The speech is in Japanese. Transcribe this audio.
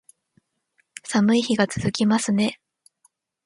寒い日が続きますね